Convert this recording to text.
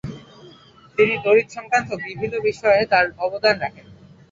তিনি তড়িৎ সংক্রান্ত বিবিধ বিষয়ে তার অবদান রাখেন।